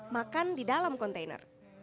makan di dalam kontainer